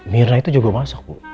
mirna itu juga masak bu